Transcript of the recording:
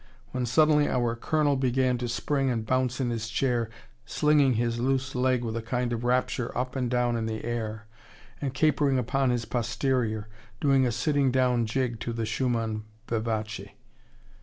When suddenly our Colonel began to spring and bounce in his chair, slinging his loose leg with a kind of rapture up and down in the air, and capering upon his posterior, doing a sitting down jig to the Schumann vivace.